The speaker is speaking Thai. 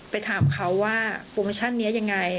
ไปถามเขาว่าโปรโมชั่นนี้ยังไง